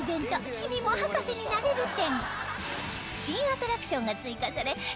「君も博士になれる展」！